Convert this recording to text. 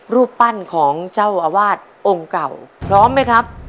รูปปั้นของเจ้าอาวาสองค์เก่าพร้อมไหมครับ